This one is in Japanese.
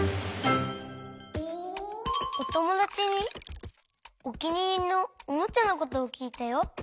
おともだちにおきにいりのおもちゃのことをきいたよ。